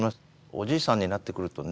おじいさんになってくるとね